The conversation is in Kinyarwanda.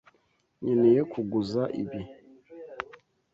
Nkeneye kuguza ibi.